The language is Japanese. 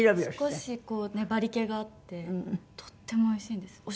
少しこう粘り気があってとってもおいしいんです。